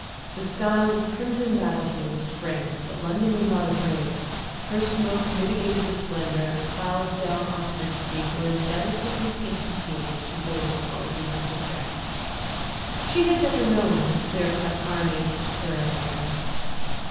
The sky was a crimson battlefield of spring, but London was not afraid. Her smoke mitigated the splendour, and the clouds down Oxford Street were a delicately painted ceiling, which adorned while it did not distract. She has never known the clear cut armies of the purer air.